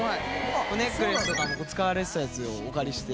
ネックレスとかも使われてたやつをお借りして。